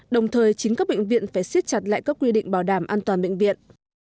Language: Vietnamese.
đồng thời chính các bệnh viện phải siết chặt lại các quy định bảo đảm an toàn bệnh viện